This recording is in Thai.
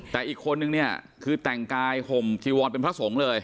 แต่อีกคนนึงเนี่ยคือแต่งกายห่มจีวรเป็นพระสงฆ์เลย